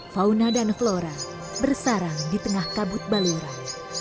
fauna dan flora bersarang di tengah kabut baluran